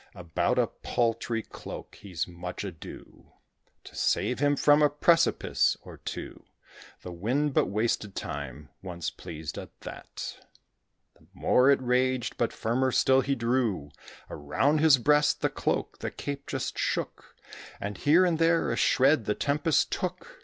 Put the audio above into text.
About a paltry cloak. He's much ado To save him from a precipice or two. The Wind but wasted time one's pleased at that The more it raged, but firmer still he drew Around his breast the cloak: the cape just shook, And here and there a shred the tempest took.